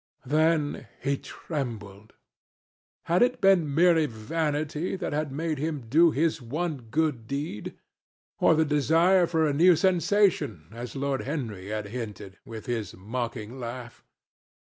Then he trembled. Had it been merely vanity that had made him do his one good deed? Or the desire for a new sensation, as Lord Henry had hinted, with his mocking laugh?